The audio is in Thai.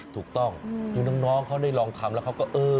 ถูกต้องดูน้องเขาได้ลองทำแล้วเขาก็เออ